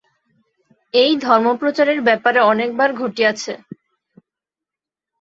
এই ধর্মপ্রচারের ব্যাপার অনেকবার ঘটিয়াছে।